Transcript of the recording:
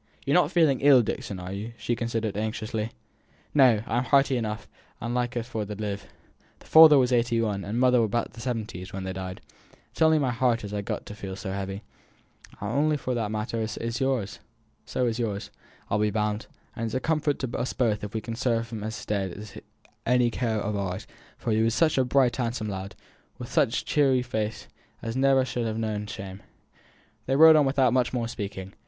You're not feeling ill, Dixon, are you?" she continued, anxiously. "No! I'm hearty enough, and likely for t' live. Father was eighty one, and mother above the seventies, when they died. It's only my heart as is got to feel so heavy; and as for that matter, so is yours, I'll be bound. And it's a comfort to us both if we can serve him as is dead by any care of ours, for he were such a bright handsome lad, with such a cheery face, as never should ha' known shame." They rode on without much more speaking.